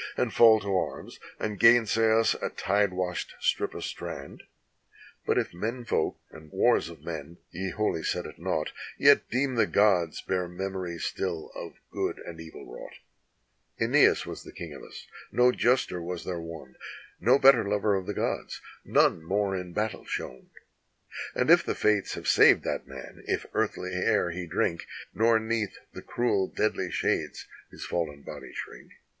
And fall to arms, and gainsay us a tide washed strip of strand. But if menfolk and wars of men ye wholly set at nought, Yet deem the gods bear memory still of good and evil wrought, ^neas was the king of us; no juster was there one, No better lover of the gods, none more in battle shone: And if the Fates have saved that man, if earthly air he drink, Nor 'neath the cruel deadly shades his fallen body shrink.